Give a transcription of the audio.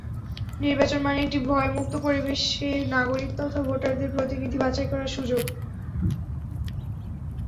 নির্বাচন মানে একটি ভয়মুক্ত পরিবেশে নাগরিক, তথা ভোটারদের প্রতিনিধি বাছাই করার সুযোগ।